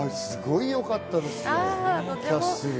すごいよかったですよ。